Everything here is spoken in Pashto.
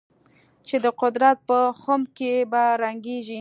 چې د قدرت په خُم کې به رنګېږي.